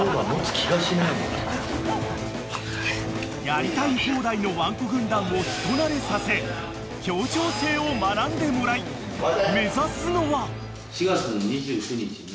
［やりたい放題のワンコ軍団を人なれさせ協調性を学んでもらい目指すのは］